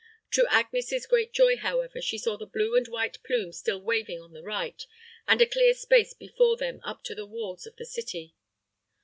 To Agnes's great joy, however, she saw the blue and white plume still waving on the right, and a clear space before them up to the walls of the city.